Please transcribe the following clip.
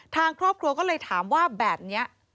ทางครอบครัวก็เลยถามว่าแบบนี้